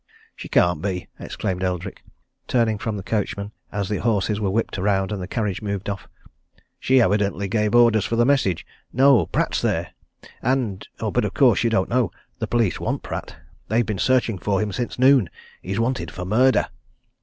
"She can't be!" exclaimed Eldrick, turning from the coachman, as the horses were whipped round and the carriage moved off. "She evidently gave orders for the message. No Pratt's there! And but of course, you don't know the police want Pratt. They've been searching for him since noon. He's wanted for murder!"